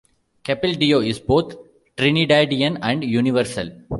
Capildeo is both Trinidadian and universal.